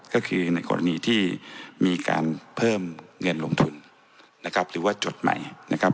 ก็คือในกรณีที่มีการเพิ่มเงินลงทุนนะครับหรือว่าจดใหม่นะครับ